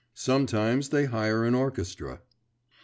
Sometimes they hire an orchestra.